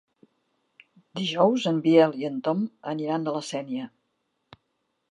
Dijous en Biel i en Tom aniran a la Sénia.